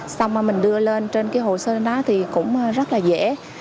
xong mà mình đưa lên trên cái hồ sơ đó thì cũng rất là dễ